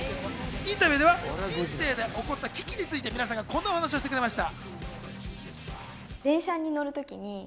インタビューでは人生で起こった危機について、皆さんがこんな話をしてくれました。